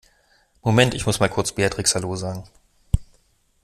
Moment, ich muss mal kurz Beatrix Hallo sagen.